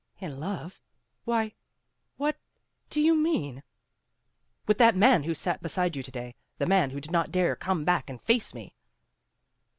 "In love why, what, do you mean?" "With that man who sat beside you to day, the man who did not dare come back and face me."